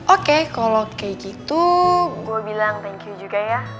oke kalau kayak gitu gue bilang thank you juga ya